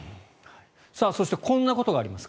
そしてこんなことがあります。